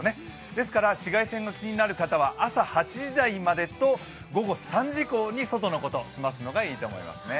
ですから、紫外線の気になる方は朝８時台までそれと午後３時以降に外のことを済ますのがいいと思いますね。